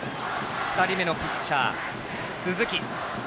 ２人目のピッチャー、鈴木。